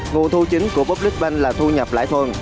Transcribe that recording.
nguồn thu chính của public bank là thu nhập lãi thuần